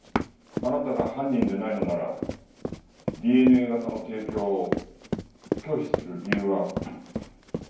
あなたが犯人でないのならＤＮＡ型の提供を拒否する理由はありませんよね。